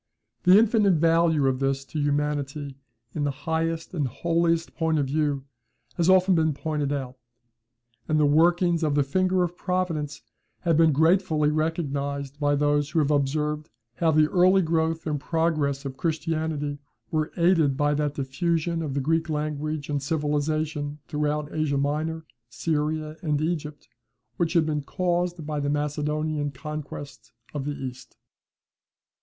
The infinite value of this to humanity in the highest and holiest point of view has often been pointed out; and the workings of the finger of Providence have been gratefully recognised by those who have observed how the early growth and progress of Christianity were aided by that diffusion of the Greek language and civilization throughout Asia Minor, Syria, and Egypt which had been caused by the Macedonian conquest of the East.